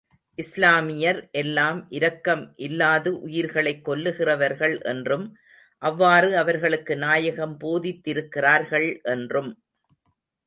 இஸ்லாமியர் எல்லாம் இரக்கமில்லாது, உயிர்களைக் கொல்லுகின்றவர்கள் என்றும், அவ்வாறு அவர்களுக்கு நாயகம் போதித்திருக்கிறார்கள் என்றும்.